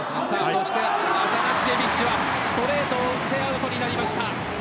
アタナシエビッチはストレートを打ってアウトになりました。